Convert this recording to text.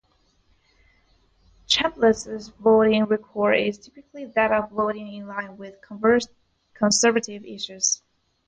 Chambliss's voting record is typically that of voting in line with conservative issues.